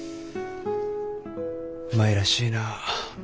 舞らしいな。